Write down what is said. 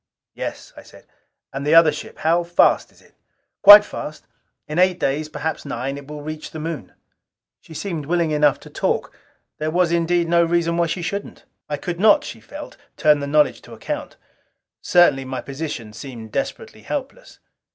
"Yes," I said. "And the other ship how fast is it?" "Quite fast. In eight days perhaps nine, it will reach the Moon." She seemed willing enough to talk. There was indeed, no reason why she shouldn't: I could not, she naturally felt, turn the knowledge to account. Certainly my position seemed desperately helpless.